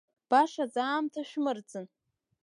Башаӡа аамҭа шәмырӡын.